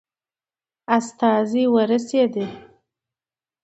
استازی ورسېدی.